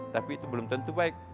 tapi itu belum tentu baik